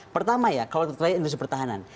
pertama ya kalau terkait industri pertahanan